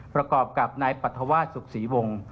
ประกอบกับนายปรัฐวาสสุขศรีวงศ์